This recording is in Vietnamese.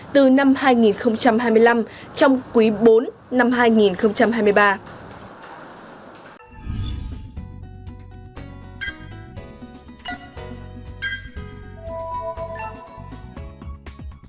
từ năm hai nghìn hai mươi năm trong quý bốn năm hai nghìn hai mươi ba